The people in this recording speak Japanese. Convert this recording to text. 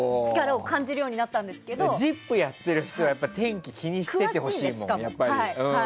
やってる人は天気、気にしててほしいもん。